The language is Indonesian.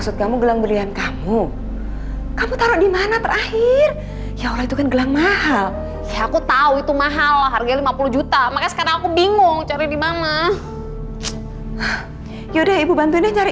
sampai jumpa di video selanjutnya